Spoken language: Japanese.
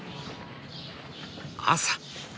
朝。